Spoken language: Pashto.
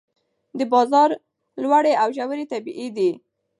د بازار لوړې او ژورې طبیعي دي.